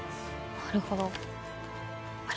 なるほど。